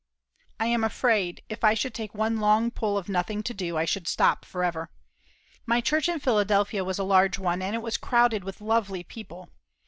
I am afraid, if I should take one long pull of nothing to do, I should stop forever. My church in Philadelphia was a large one, and it was crowded with lovely people.